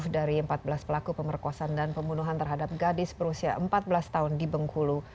tujuh dari empat belas pelaku pemerkosaan dan pembunuhan terhadap gadis berusia empat belas tahun di bengkulu